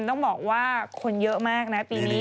ต้องบอกว่าคนเยอะมากนะปีนี้